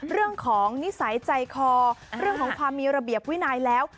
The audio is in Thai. เรื่องของนิสัยใจคอเรื่องของความมีระเบียบวินัยแล้ว